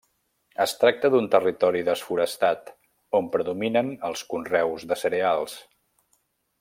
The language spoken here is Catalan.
Es tracta d'un territori desforestat, on predominen els conreus de cereals.